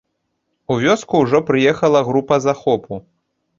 У вёску ўжо прыехала група захопу.